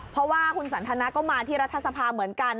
เพราะว่าคุณสันทนาก็มาที่รัฐสภาเหมือนกัน